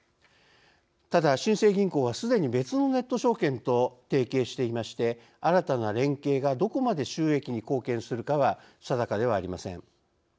ただ、新生銀行はすでに別のネット証券と提携していまして新たな連携がどこまで収益に貢献するかは定かではありません。